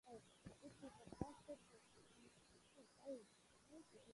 It is a fast technique and also it provides a good thickness control.